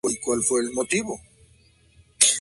Tenía orígenes modestos.